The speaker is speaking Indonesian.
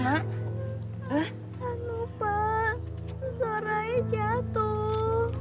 tidak lupa soraya jatuh